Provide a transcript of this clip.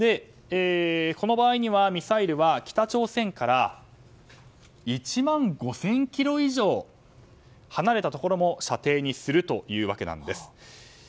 この場合、ミサイルは北朝鮮から１万５０００ｋｍ以上離れたところも射程にするというわけなんです。